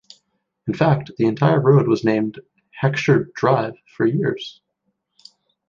In fact, the entire road was named Heckscher Drive for years.